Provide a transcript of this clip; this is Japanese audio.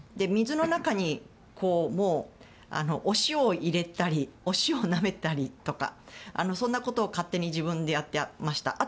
水の中にお塩を入れたりお塩をなめたりとかそんなことを勝手に自分でやってました。